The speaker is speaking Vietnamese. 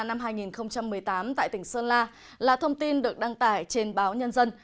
năm hai nghìn một mươi tám tại tỉnh sơn la là thông tin được đăng tải trên báo nhân dân